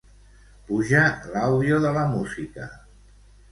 Puja l'àudio de la música.